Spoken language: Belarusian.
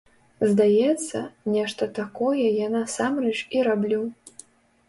Здаецца, нешта такое я насамрэч і раблю.